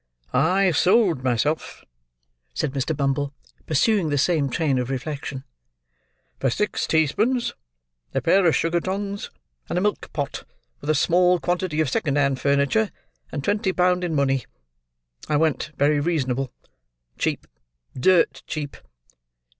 "I sold myself," said Mr. Bumble, pursuing the same train of relection, "for six teaspoons, a pair of sugar tongs, and a milk pot; with a small quantity of second hand furniture, and twenty pound in money. I went very reasonable. Cheap, dirt cheap!"